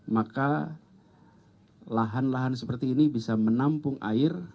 maka lahan lahan seperti ini bisa menampung air